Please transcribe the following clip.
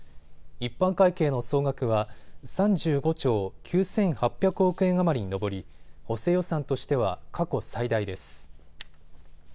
一般会計の総額は３５兆９８００億円余りに上り、補正予算としては過去最大です。